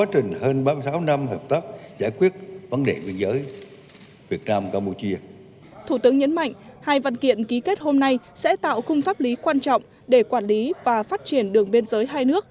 thủ tướng nhấn mạnh hai văn kiện ký kết hôm nay sẽ tạo khung pháp lý quan trọng để quản lý và phát triển đường biên giới hai nước